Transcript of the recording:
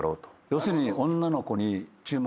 要するに。